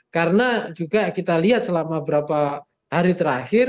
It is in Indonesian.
karena juga kita lihat selama berapa hari terakhir